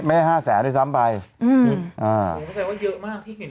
มันแสดงว่าเยอะมากที่เห็น